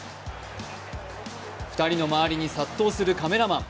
２人の周りに殺到するカメラマン。